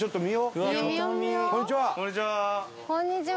こんにちは。